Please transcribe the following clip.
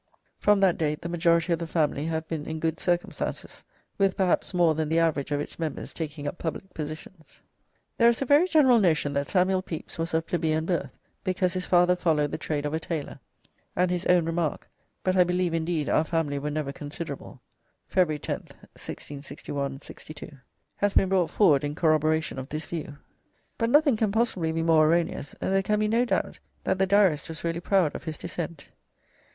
From that date the majority of the family have been in good circumstances, with perhaps more than the average of its members taking up public positions." There is a very general notion that Samuel Pepys was of plebeian birth because his father followed the trade of a tailor, and his own remark, "But I believe indeed our family were never considerable," [February 10th, 1661 62.] has been brought forward in corroboration of this view, but nothing can possibly be more erroneous, and there can be no doubt that the Diarist was really proud of his descent.